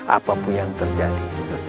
apapun yang terjadi